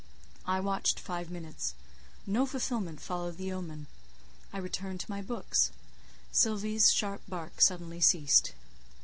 I watched five minutes; no fulfilment followed the omen. I returned to my books; Sylvie's sharp bark suddenly ceased.